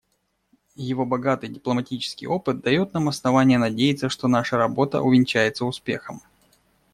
Его богатый дипломатический опыт дает нам основания надеяться, что наша работа увенчается успехом.